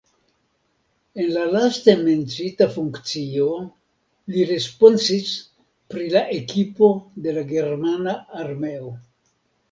En la laste menciita funkcio li responsis pri la ekipo de la germana armeo.